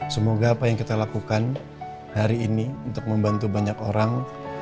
semoga apa yang kita lakukan hari ini untuk membantu banyak orang